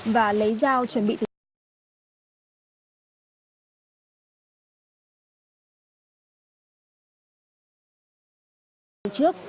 và lấy dao chuẩn bị từ nhà